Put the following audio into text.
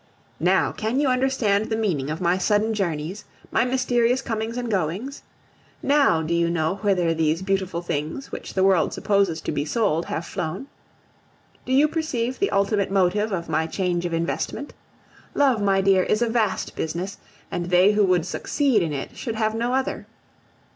Now, can you understand the meaning of my sudden journeys, my mysterious comings and goings? Now, do you know whither those beautiful things, which the world supposes to be sold, have flown? Do you perceive the ultimate motive of my change of investment? Love, my dear, is a vast business, and they who would succeed in it should have no other.